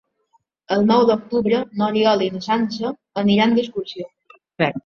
El nou d'octubre n'Oriol i na Sança aniran d'excursió.